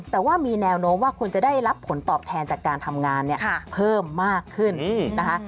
แต่ว่ามีแนวโน้มว่าคุณจะได้รับผลตอบแทนจากการทำงานเนี่ยเพิ่มมากขึ้นนะคะ